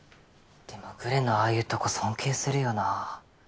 でもぐれのああいうとこ尊敬するよな。